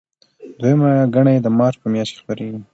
دویمه ګڼه یې د مارچ په میاشت کې خپریږي.